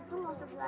kurang ajar kalian